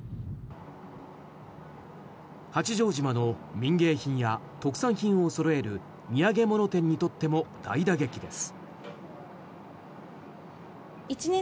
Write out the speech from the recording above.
八丈島の民芸品や特産品をそろえる土産物店にとっても大打撃です。